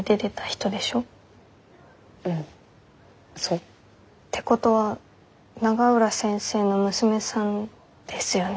ってことは永浦先生の娘さんですよね？